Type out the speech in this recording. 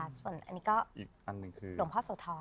อันนี้หนึ่งก็คือหลวงพ่อโสธร